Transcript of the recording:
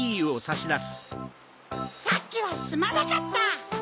さっきはすまなかった。